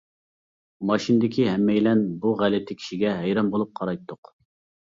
ماشىنىدىكى ھەممەيلەن بۇ غەلىتە كىشىگە ھەيران بولۇپ قارايتتۇق.